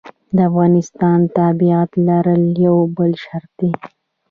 د افغانستان تابعیت لرل یو بل شرط دی.